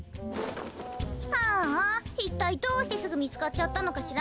ああいったいどうしてすぐみつかっちゃったのかしら。